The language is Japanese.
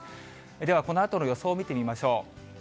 ではこのあとの予想を見てみましょう。